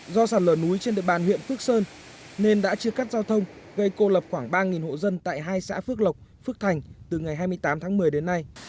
do sạt lở núi trên địa bàn huyện phước sơn nên đã chia cắt giao thông gây cô lập khoảng ba hộ dân tại hai xã phước lộc phước thành từ ngày hai mươi tám tháng một mươi đến nay